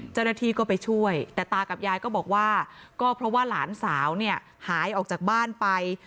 เจ้าหน้าที่ก็ไปช่วยแต่ตากับยายก็บอกว่าก็เพราะว่าหลานสาวเนี่ยหายออกจากบ้านไป